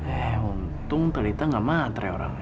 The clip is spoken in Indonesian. eh untung telita nggak matre orangnya